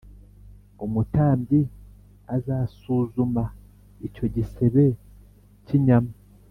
Umutambyi azasuzuma icyo gisebe cy’inyama